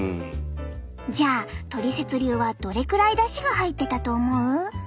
じゃあトリセツ流はどれくらいだしが入ってたと思う？